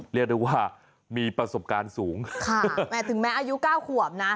เรียกได้ว่ามีประสบการณ์สูงค่ะแม้ถึงแม้อายุเก้าขวบนะ